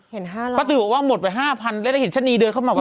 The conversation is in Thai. เห็น๕๐๐เสริมว่าหมดไป๕๐๐๐แล้วได้เห็นชั้นอีเดินเข้ามาว่า